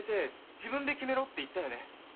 「自分で決めろ」って言ったよね？